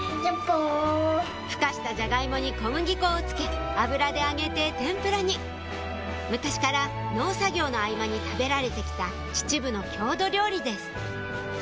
ふかしたジャガイモに小麦粉をつけ油で揚げて天ぷらに昔から農作業の合間に食べられて来た秩父の郷土料理です